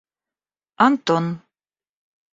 Антон